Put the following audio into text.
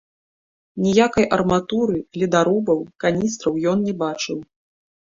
Ніякай арматуры, ледарубаў, каністраў ён не бачыў.